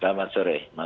selamat sore pak